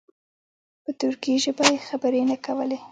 په ترکي ژبه یې خبرې نه کولې.